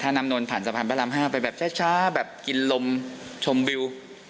ถ้าน้ำนนผ่านสะพานพระราม๕ไปแบบช้าแบบกินลมชมวิว